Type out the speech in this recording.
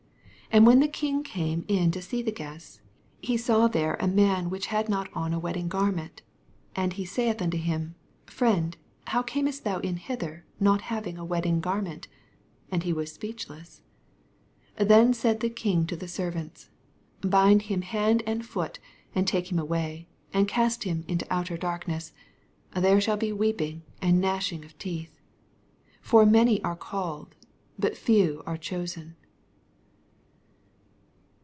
11 And when the king came in to see the guests, he saw there a man which h^ not on a wedding garment: 12 And he saith unto him, Friend, how earnest thou in hither not having a wedding garment? And he was speechless. 18 Then said the king to the ser vants, Bind him hand and foot, and take him away, and cast Mm into outer darkness ; there shall be weep ing and gnashing of teeth. 14 For many are called, but few are chosen.